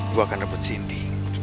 gue akan rebut cindy